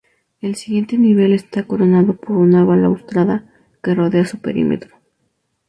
El siguiente nivel está coronado por una balaustrada que rodea su perímetro.